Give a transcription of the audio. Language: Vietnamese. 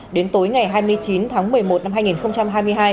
đến tối ngày hai mươi chín tháng một mươi một năm hai nghìn hai mươi hai